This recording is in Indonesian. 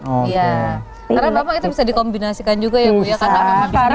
karena bapak itu bisa dikombinasikan juga ya ibu ya